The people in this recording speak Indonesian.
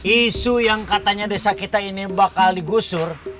isu yang katanya desa kita ini bakal digusur